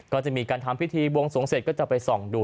ก็จะมีการทำพิธีบวงสวงเสร็จก็จะไปส่องดู